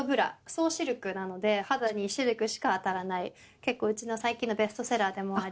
総シルクなので肌にシルクしか当たらない結構うちの最近のベストセラーでもあり。